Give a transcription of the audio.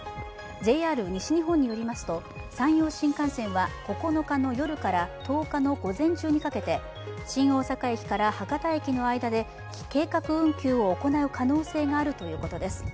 ＪＲ西日本によりますと、山陽新幹線は９日の夜から１０日の午前中にかけて新大阪駅から博多駅の間で計画運休を行う可能性があるということです。